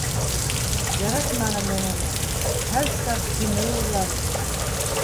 Яратманым мин уны. һәр саҡ һине уйланым.